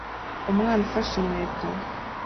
Umwana ufashe inkweto